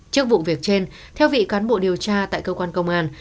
trước vụ việc trên theo vị cán bộ điều tra tại cơ quan công an